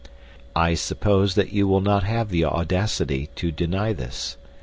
I suppose that you will not have the audacity to deny this.